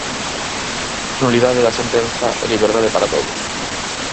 Nulidade da sentenza e liberdade para todos!